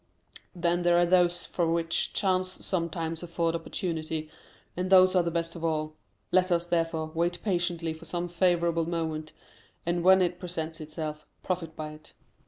Then there are those for which chance sometimes affords opportunity, and those are the best of all. Let us, therefore, wait patiently for some favorable moment, and when it presents itself, profit by it."